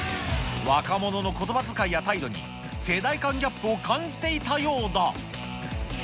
若者のことばづかいや態度に世代間ギャップを感じていたようだ。